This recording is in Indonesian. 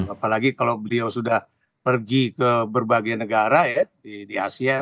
apalagi kalau beliau sudah pergi ke berbagai negara ya di asia